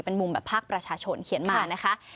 เป็นมุมแบบภาคประชาชนเขียนมานะคะ